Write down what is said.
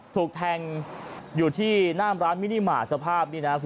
ถูกแทงอยู่ที่หน้าร้านมินิมาตรสภาพนี้นะ